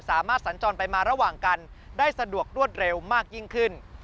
สัญจรไปมาระหว่างกันได้สะดวกรวดเร็วมากยิ่งขึ้น